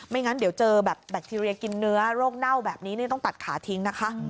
งั้นเดี๋ยวเจอแบบแบคทีเรียกินเนื้อโรคเน่าแบบนี้ต้องตัดขาทิ้งนะคะ